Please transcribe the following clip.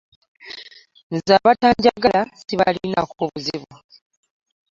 Nze abatanjagala sibalinaako buzibu.